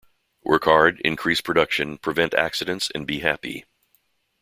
Work hard, increase production, prevent accidents and be happy.